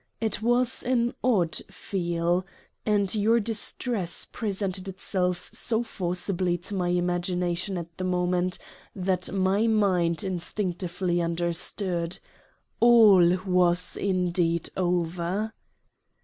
It was an odd Feel ; and your distress presented itself so forcibly to my imagination at the moment, that my Mind instinctively understood — All was indeed over.